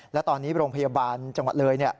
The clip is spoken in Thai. และตอนนี้โรงพยาบาลจังหวัดเลย